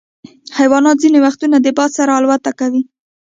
حیوانات ځینې وختونه د باد سره الوت کوي.